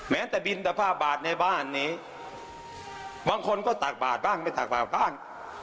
แม้แต่บินตะผ้าบาทในบ้านนี้บางคนก็ตากบาดบ้างไม่ตักบาทบ้าง